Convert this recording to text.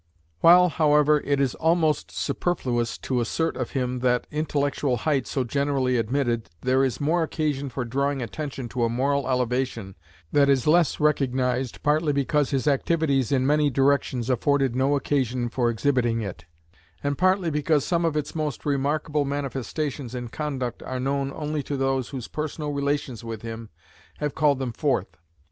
While, however, it is almost superfluous to assert of him that intellectual height so generally admitted there is more occasion for drawing attention to a moral elevation that is less recognized partly because his activities in many directions afforded no occasion for exhibiting it, and partly because some of its most remarkable manifestations in conduct are known only to those whose personal relations with him have called them forth.